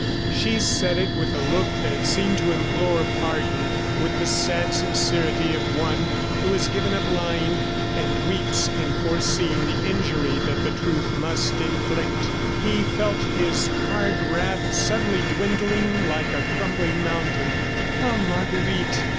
She said it with a look that seemed to implore pardon, with the sad sincerity of one who has given up lying and weeps in foreseeing the injury that the truth must inflict. He felt his hard wrath suddenly dwindling like a crumbling mountain. Ah, Marguerite!